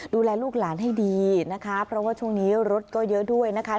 ดูแลลูกหลานให้ดีนะคะเพราะว่าช่วงนี้รถก็เยอะด้วยนะคะ